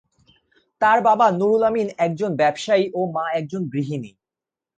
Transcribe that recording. তার বাবা নুরুল আমিন একজন ব্যবসায়ী ও মা একজন গৃহিণী।